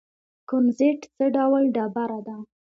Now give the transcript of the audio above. کونزیټ څه ډول ډبره ده؟